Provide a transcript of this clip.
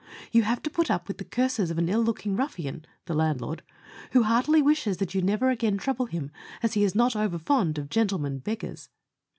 You have to put up with the curses of an ill looking ruffian the landlord who heartily wishes that you never again trouble him, as he is not over fond of gentlemen beggars.